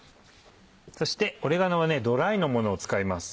そしてオレガノはドライのものを使います。